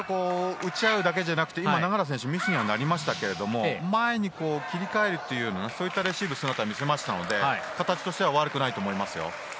打ち合うだけじゃなくて永原選手ミスにはなりましたけど前に切り替えるというそういったレシーブの姿を見せたので形としては悪くないです。